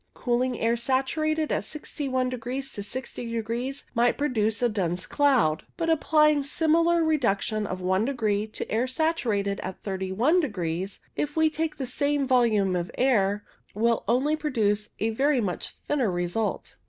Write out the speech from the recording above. Cooling air saturated at 61 degrees to 60 degrees might produce a dense cloud ; but applying a similar reduction of i degree to air saturated at 31 degrees, if we take the same volume of air, will only produce a very much thinner result.